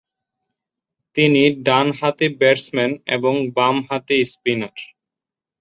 তিনি ডানহাতি ব্যাটসম্যান এবং বামহাতি স্পিনার।